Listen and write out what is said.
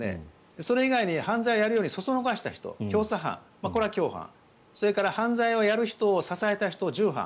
それ以外に犯罪をやるようにそそのかした人、教唆犯それから犯罪をやる人を支えた人従犯。